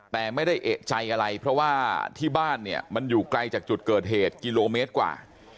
แต่ไม่ได้เอกใจอะไรเพราะว่าที่บ้านเนี่ยมันอยู่ไกลจากจุดเกิดเหตุกิโลเมตรกว่า